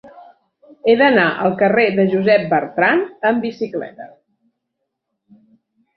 He d'anar al carrer de Josep Bertrand amb bicicleta.